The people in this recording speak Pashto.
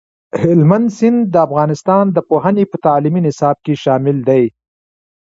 هلمند سیند د افغانستان د پوهنې په تعلیمي نصاب کې شامل دی.